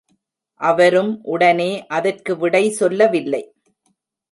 அவரும் உடனே அதற்கு விடை சொல்லவில்லை.